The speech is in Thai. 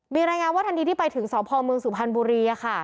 มีรายงานว่าทันทีที่ไปถึงสองภมสุพานบุรี